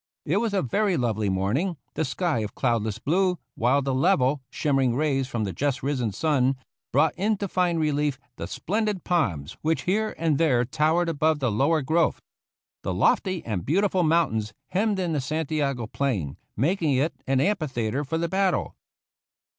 It was a very lovely morning, the sky of cloudless blue, while the level, shimmering rays from the just risen sun brought into fine relief the splendid palms which here and there towered above the lower growth. The lofty and beautiful mountains hemmed in the Santiago plain, making it an amphitheatre for the battle.